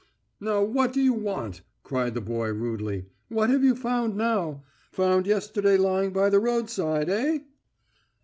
"Now what do you want?" cried the boy rudely. "What have you found now? Found yesterday lying by the roadside, eh?"